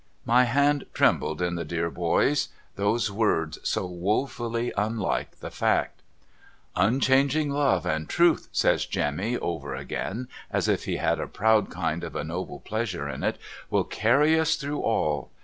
' My hand trembled in the dear boy's, those words so wofuUy unlike the fact, ' Unchanging Love and Truth ' says Jemmy over again, as if he had a proud kind of a noble pleasure in it, ' will carry us through all